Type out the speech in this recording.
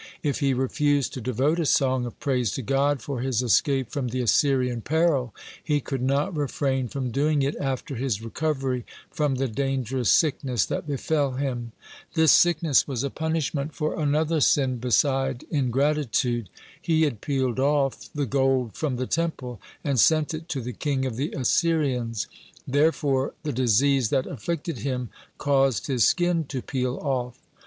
If he refused to devote a song of praise to God for his escape from the Assyrian peril, he could not refrain from doing it after his recovery from the dangerous sickness that befell him. (71) This sickness was a punishment for another sin beside ingratitude. He had "peeled off" the gold from the Temple, and sent it to the king of the Assyrians; therefore the disease that afflicted him caused his skin to "peel off."